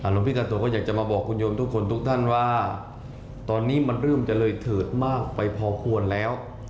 หลวงพี่กาโตก็อยากจะมาบอกคุณโยมทุกคนทุกท่านว่าตอนนี้มันเริ่มจะเลยเถิดมากไปพอควรแล้ว